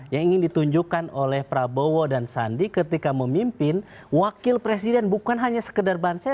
yang ingin ditunjukkan oleh prabowo dan sandi ketika memimpin wakil presiden bukan hanya sekedar banse